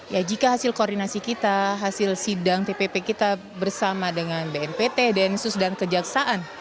ya jika hasil koordinasi kita hasil sidang tpp kita bersama dengan bnpt densus dan kejaksaan